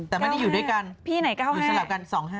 อันนี้อยู่ด้วยกันสลับกัน๒๕๕